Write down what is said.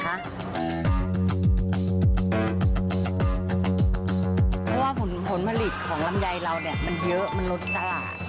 เพราะว่าผลผลิตของลำไยเราเนี่ยมันเยอะมันลดตลาด